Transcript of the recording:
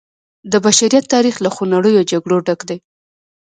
د بشریت تاریخ له خونړیو جګړو ډک دی.